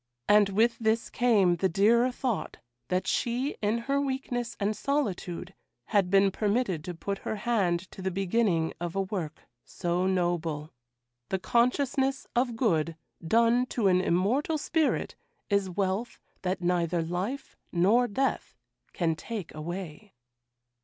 And with this came the dearer thought that she in her weakness and solitude had been permitted to put her hand to the beginning of a work so noble. The consciousness of good done to an immortal spirit is wealth that neither life nor death can take away.